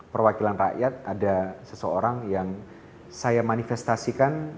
perwakilan rakyat ada seseorang yang saya manifestasikan